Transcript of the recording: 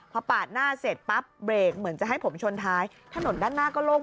พอปาดหน้าเสร็จปั๊บเบรกเหมือนจะให้ผมชนท้ายถนนด้านหน้าก็โล่ง